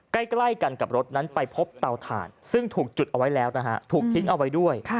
ใกล้กันกับรถนั้นไปพบเตาถ่านซึ่งถูกจุดเอาไว้แล้วนะฮะถูกทิ้งเอาไว้ด้วย